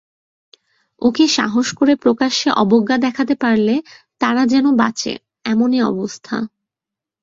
ওকে সাহস করে প্রকাশ্যে অবজ্ঞা দেখাতে পারলে তারা যেন বাঁচে এমনি অবস্থা।